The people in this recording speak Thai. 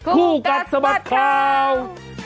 ผู้กัดสมัครข่าว